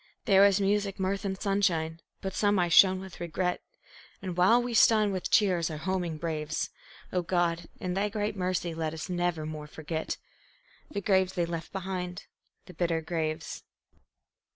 There was music, mirth and sunshine; but some eyes shone with regret; And while we stun with cheers our homing braves, O God, in Thy great mercy, let us nevermore forget The graves they left behind, the bitter graves.